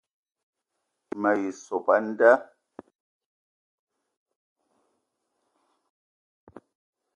Me ye sop a nda